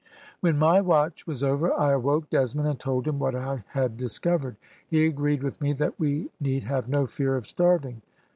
"When my watch was over, I awoke Desmond, and told him what I had discovered; he agreed with me that we need have no fear of starving.